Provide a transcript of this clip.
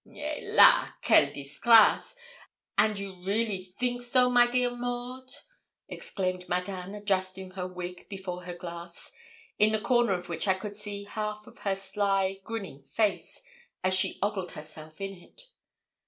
'Helas! Quelle disgrace! And you really think so, my dear Maud,' exclaimed Madame, adjusting her wig before her glass, in the corner of which I could see half of her sly, grinning face, as she ogled herself in it.